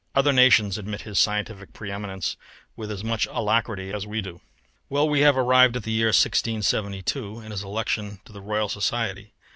Other nations admit his scientific pre eminence with as much alacrity as we do. Well, we have arrived at the year 1672 and his election to the Royal Society.